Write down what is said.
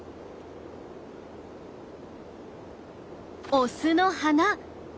オスの鼻。